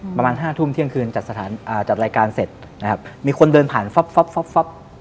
ประมาณ๕ทุ่มเที่ยงคืนจัดรายการเสร็จมีคนเดินผ่านฟับ